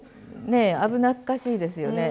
ねえ危なっかしいですよね。